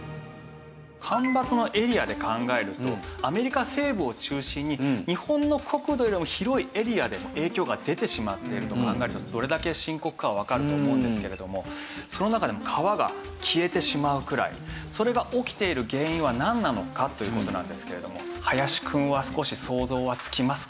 干ばつのエリアで考えるとアメリカ西部を中心に日本の国土よりも広いエリアでも影響が出てしまっていると考えるとどれだけ深刻かはわかると思うんですけれどもその中でも川が消えてしまうくらいそれが起きている原因はなんなのかという事なんですけれども林くんは少し想像はつきますか？